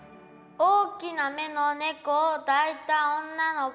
大きな目の猫を抱いた女の子？